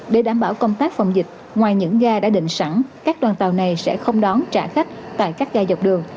để đảm bảo công tác phòng dịch ngoài những ga đã định sẵn các đoàn tàu này sẽ không đón trả khách tại các ga dọc đường